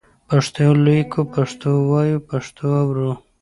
پښتو لیکو، پښتو وایو، پښتو اورو.